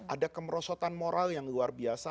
ada kemerosotan moral yang luar biasa